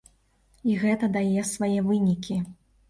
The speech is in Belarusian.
І гэта дае свае вынікі.